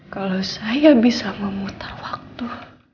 kalau saya bisa memutar waktu